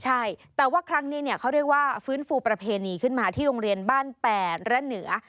ใช่แต่ว่าครั้งนี้เนี่ยเขาเรียกว่าฟื้นฟูประเพณีขึ้นมาที่โรงเรียนบ้านแปดและเหนือ